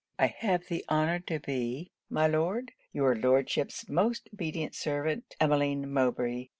I have the honour to be, my Lord, your Lordship's most obedient servant, EMMELINE MOWBRAY.'